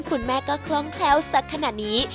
คุณแม่ก็คล้องแคล้วสักขนาดนี้